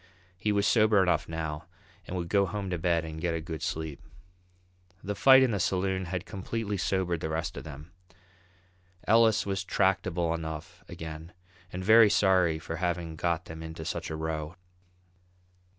He was sober enough now and would go home to bed and get a good sleep. The fight in the saloon had completely sobered the rest of them. Ellis was tractable enough again, and very sorry for having got them into such a row.